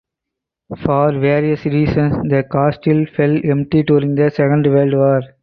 For various reasons the castle fell empty during the Second World War.